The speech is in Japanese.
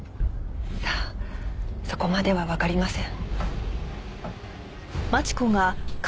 さあそこまではわかりません。